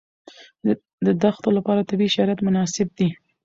د دښتو لپاره طبیعي شرایط مناسب دي.